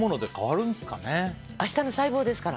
明日の細胞ですから。